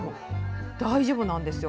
大丈夫なんですよ。